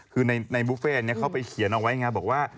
คือในบุฟเฟ่อันนี้เขาไปเขียนเอาไว้นะครับบอกว่า